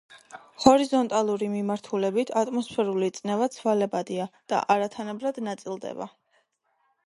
ჰორიზონტალური მიმართულებით ატმოსფერული წნევა ცვალებადია და არათანაბრად ნაწილდება.